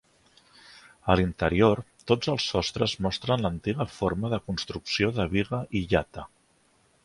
A l'interior, tots els sostres mostren l'antiga forma de construcció de biga i llata.